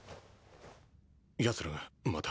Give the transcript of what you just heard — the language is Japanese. ヤツらがまた。